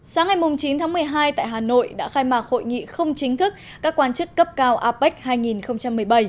sáng ngày chín tháng một mươi hai tại hà nội đã khai mạc hội nghị không chính thức các quan chức cấp cao apec hai nghìn một mươi bảy